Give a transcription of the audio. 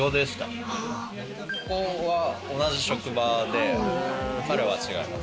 ここは同じ職場で、彼は違います。